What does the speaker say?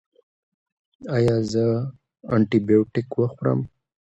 ایا زه انټي بیوټیک وخورم؟